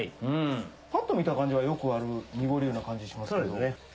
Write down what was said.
ぱっと見た感じはよくある濁り湯な感じしますけど。